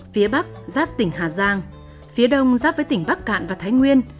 phía bắc giáp tỉnh hà giang phía đông giáp với tỉnh bắc cạn và thái nguyên